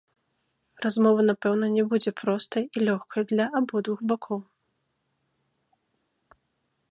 Размова напэўна не будзе простай і лёгкай для абодвух бакоў.